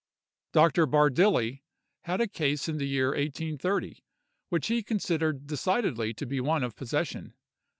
Dr. Bardili had a case in the year 1830, which he considered decidedly to be one of possession.